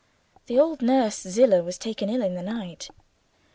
The old nurse, Zillah, was taken ill in the night.